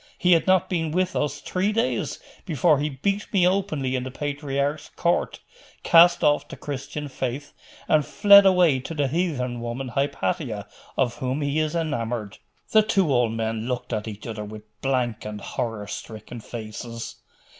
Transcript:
He had not been with us three days before he beat me openly in the patriarch's court, cast off the Christian faith, and fled away to the heathen woman, Hypatia, of whom he is enamoured.' The two old men looked at each other with blank and horror stricken faces.